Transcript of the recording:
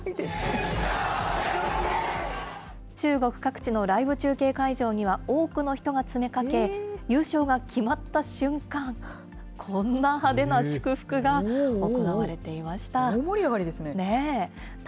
中国各地のライブ中継会場には、多くの人が詰めかけ、優勝が決まった瞬間、こんな派手な祝福が行われていました。